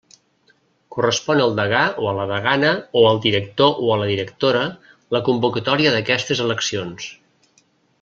Correspon al degà o la degana o al director o la directora la convocatòria d'aquestes eleccions.